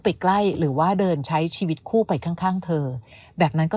ไปใกล้หรือว่าเดินใช้ชีวิตคู่ไปข้างข้างเธอแบบนั้นก็